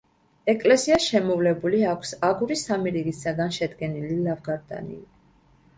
ეკლესიას შემოვლებული აქვს აგურის სამი რიგისაგან შედგენილი ლავგარდანი.